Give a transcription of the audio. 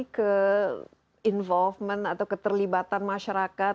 ke involvement atau keterlibatan masyarakat